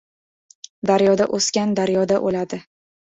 • Daryoda o‘sgan daryoda o‘ladi.